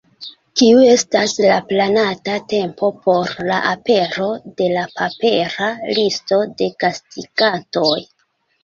Kiu estas la planata tempo por la apero de la papera listo de gastigantoj?